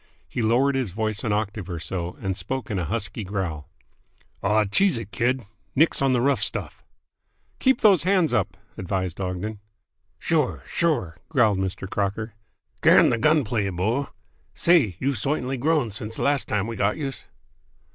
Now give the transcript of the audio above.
He lowered his voice an octave or so, and spoke in a husky growl. "Aw, cheese it, kid. Nix on the rough stuff!" "Keep those hands up!" advised Ogden. "Sure! Sure!" growled Mr. Crocker. "Can the gun play, bo! Say, you've soitanly grown since de last time we got youse!"